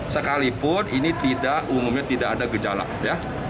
sekalipun ini tidak umumnya tidak ada gejala ya